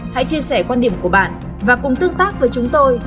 hãy chia sẻ quan điểm của bạn và cùng tương tác với chúng tôi